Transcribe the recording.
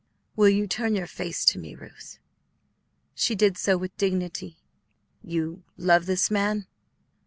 Will you turn your face to me, Ruth?" She did so with dignity. "You love this man?"